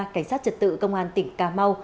cảnh sát trật tự công an tỉnh cà mau